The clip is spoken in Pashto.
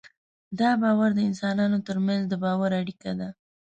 دا باور د انسانانو تر منځ د باور اړیکه ده.